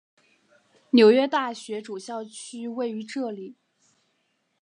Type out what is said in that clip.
纽约大学主校区位于这里。